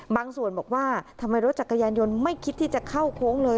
ส่วนบอกว่าทำไมรถจักรยานยนต์ไม่คิดที่จะเข้าโค้งเลย